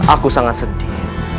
aku sangat sedih